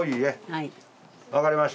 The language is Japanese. はい。